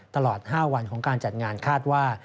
ตลอด๕วันของการจัดงานคาดว่า